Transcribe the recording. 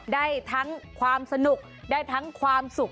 ได้ทั้งความสนุกได้ทั้งความสุข